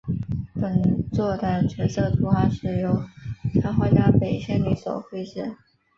本作的角色图画是由插画家北千里所绘制。